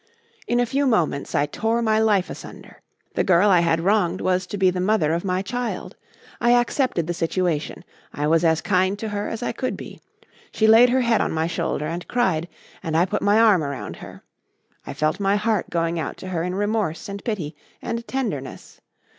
In a few moments I tore my life asunder. The girl I had wronged was to be the mother of my child. I accepted the situation. I was as kind to her as I could be. She laid her head on my shoulder and cried, and I put my arm around her. I felt my heart going out to her in remorse and pity and tenderness.